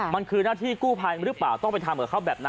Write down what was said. มันคือหน้าที่กู้ภัยหรือเปล่าต้องไปทำกับเขาแบบนั้น